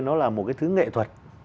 nó là một cái thứ nghệ thuật